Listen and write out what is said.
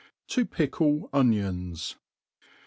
To pickle Onions. !